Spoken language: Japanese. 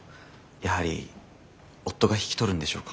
やはり夫が引き取るんでしょうか？